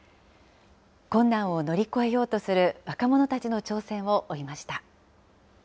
困難を乗り越えようとする若者たちの挑戦を追いました。